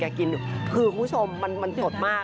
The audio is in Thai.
แก่กินคือคุณผู้ชมเราคือมันสดมากค่ะ